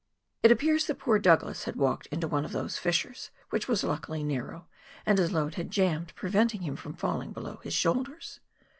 " It appears that poor Douglas had walked into one of those fissures, which was luckily narrow, and his load had jammed, preventing him from falling below his shoulders.